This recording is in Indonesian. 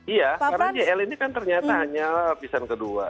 iya karena jl ini kan ternyata hanya lapisan kedua